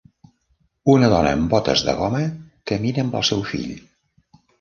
Una dona en botes de goma camina amb el seu fill.